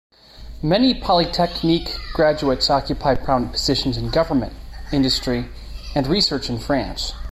Many Polytechnique graduates occupy prominent positions in government, industry, and research in France.